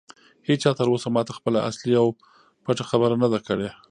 هیچا تر اوسه ماته خپله اصلي او پټه خبره نه ده کړې.